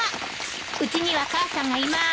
うちには母さんがいます。